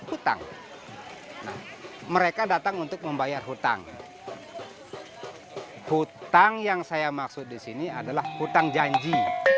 hutang mereka datang untuk membayar hutang hutang yang saya maksud disini adalah hutang janji